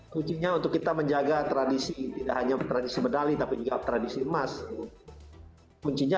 kuncinya untuk kita menjaga tradisi tidak hanya tradisi medali tapi juga tradisi emas kuncinya